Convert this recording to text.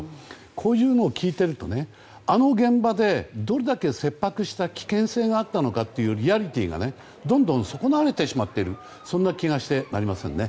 こういうのを聞いているとあの現場でどれだけ切迫した危険性があったのかというリアリティーがどんどん損なわれてしまっているそんな気がしてなりませんね。